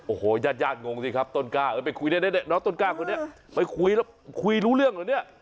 โอ้โหยาดงงสิครับต้นกล้าไปคุยได้ต้นกล้าไปคุยแล้วคุยรู้เรื่องเหรอเนี่ย